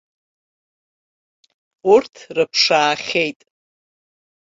Урҭ рыԥшаахьеит!